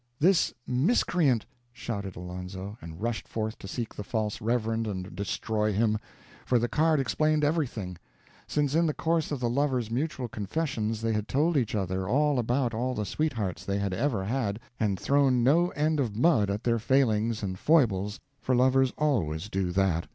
"The miscreant!" shouted Alonzo, and rushed forth to seek the false Reverend and destroy him; for the card explained everything, since in the course of the lovers' mutual confessions they had told each other all about all the sweethearts they had ever had, and thrown no end of mud at their failings and foibles for lovers always do that.